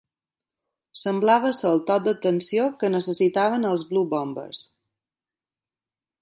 Semblava ser el toc d'atenció que necessitaven els Blue Bombers.